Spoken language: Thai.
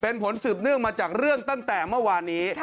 เป็นผลสืบเนื่องมาจากเรื่องตั้งแต่เมื่อวานนี้